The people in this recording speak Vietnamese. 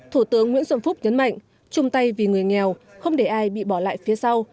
thủ tướng nguyễn xuân phúc nhấn mạnh chung tay vì người nghèo không để ai bị bỏ lại phía sau